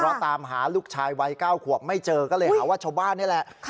เพราะตามหาลูกชายวัย๙ขวบไม่เจอก็เลยหาว่าชาวบ้านนี่แหละ